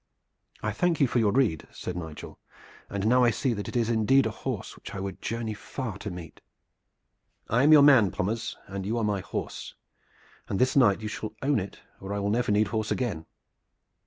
"I thank you for your rede," said Nigel, "and now I see that this is indeed a horse which I would journey far to meet. I am your man, Pommers, and you are my horse, and this night you shall own it or I will never need horse again.